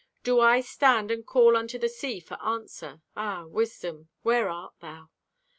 Do I stand and call unto the sea for answer? Ah, wisdom, where art thou?